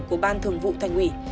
của ban thường vụ thành ủy